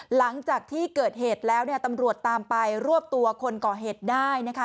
หลังจากที่เกิดเหตุแล้วเนี่ยตำรวจตามไปรวบตัวคนก่อเหตุได้นะคะ